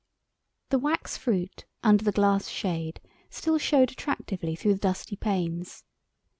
The wax fruit under the glass shade still showed attractively through the dusty panes.